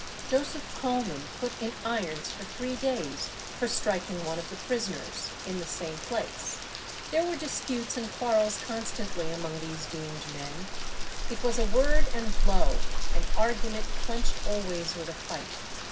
"Joseph Coleman put in irons for three days for striking one of the prisoners," in the same place. There were disputes and quarrels constantly among these doomed men; it was a word and blow, an argument clenched always with a fight.